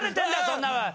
そんなの！